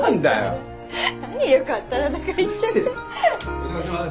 お邪魔します。